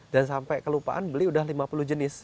dan sampai kelupaan beli udah lima puluh jenis